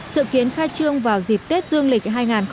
dự kiến khai trương vào dịp tết dương lịch hai nghìn hai mươi